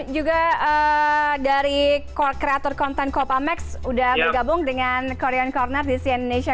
juga dari kreator konten copamex udah bergabung dengan korean corner di sian indonesia